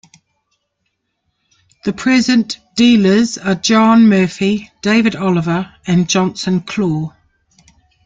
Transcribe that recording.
The present dealers are John Murphy, David Oliver, and Johnson Clore.